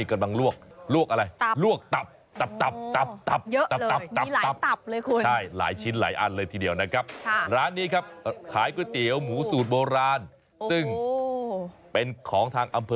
กำลังลวกลวกอะไรลวกตับตับ